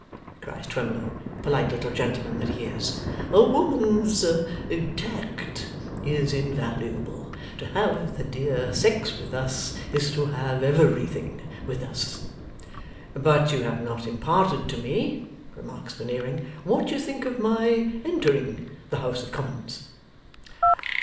cries Twemlow, polite little gentleman that he is. 'A woman's tact is invaluable. To have the dear sex with us, is to have everything with us.' 'But you have not imparted to me,' remarks Veneering, 'what you think of my entering the House of Commons?